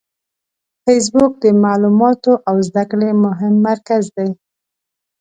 فېسبوک د معلوماتو او زده کړې مهم مرکز دی